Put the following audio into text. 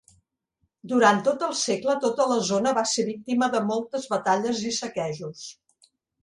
Durant tot el segle tota la zona va ser víctima de moltes batalles i saquejos.